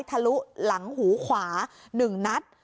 ทะลุหลังหูขวา๑นัด